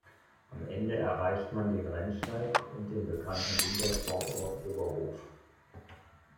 Am Ende erreicht man den Rennsteig und den bekannten Wintersportort Oberhof.